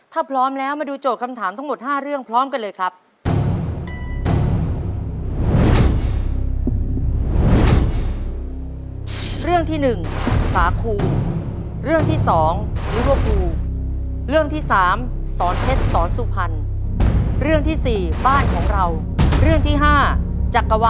ถ้าพร้อมแล้วมาดูโจทย์คำถามทั้งหมด๕เรื่องพร้อมกันเลยครับ